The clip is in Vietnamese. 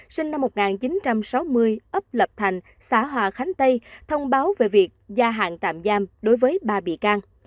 sinh năm một nghìn chín trăm sáu mươi ấp lập thành xã hòa khánh tây thông báo về việc gia hạn tạm giam đối với ba bị can